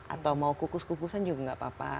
atau mau kukus kukusan juga nggak apa apa